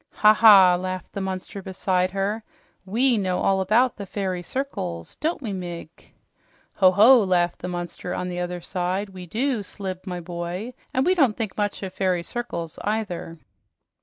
"Ha ha!" laughed the monster beside her. "WE know all about the fairy circles, don't we, Migg?" "Ho ho!" laughed the monster on the other side. "We do, Slibb, my boy, and we don't think much of fairy circles, either!"